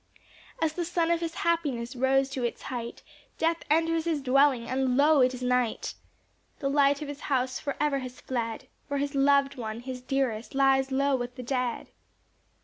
As the sun of his happiness rose to its height, Death enters his dwelling, and lo! it is night; The light of his house forever has fled, For his loved one, his dearest, lies low with the dead.